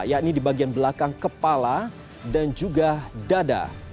yakni di bagian belakang kepala dan juga dada